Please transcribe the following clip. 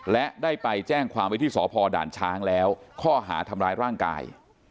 และได้ไปแจ้งความไว้ที่สพด่านช้างแล้วข้อหาทำร้ายร่างกาย